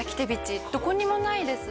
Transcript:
どこにもないです